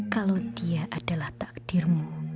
kalau dia adalah takdirmu